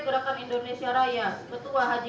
gerakan indonesia raya ketua haji